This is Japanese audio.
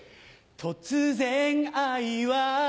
突然愛は